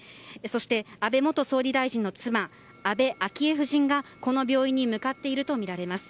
そして、安倍元総理大臣の妻安倍昭恵夫人がこの病院に向かっているとみられます。